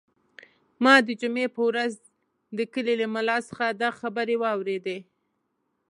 ما د جمعې په ورځ د کلي له ملا څخه دا خبرې واورېدې.